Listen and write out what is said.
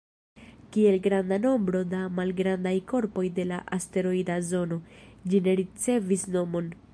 Kiel granda nombro da malgrandaj korpoj de la asteroida zono, ĝi ne ricevis nomon.